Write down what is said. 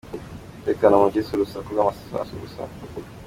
Umutekano muke si urusaku rw’amasasu gusa .